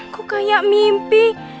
kok kayak mimpi